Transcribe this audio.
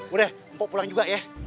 udah empo pulang juga ya